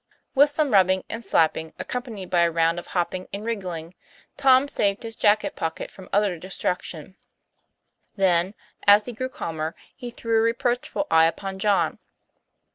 With some rubbing and slapping accompanied by a round of hopping and wriggling Tom saved his jacket pocket from utter destruction; then as he grew calmer he threw a reproachful eye upon John.